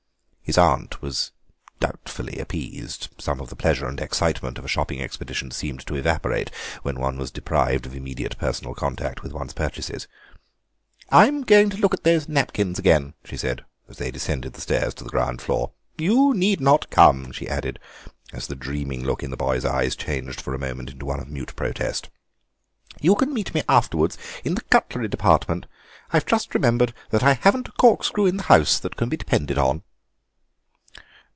His aunt was doubtfully appeased; some of the pleasure and excitement of a shopping expedition seemed to evaporate when one was deprived of immediate personal contact with one's purchases. "I'm going to look at those napkins again," she said, as they descended the stairs to the ground floor. "You need not come," she added, as the dreaming look in the boy's eyes changed for a moment into one of mute protest, "you can meet me afterwards in the cutlery department; I've just remembered that I haven't a corkscrew in the house that can be depended on."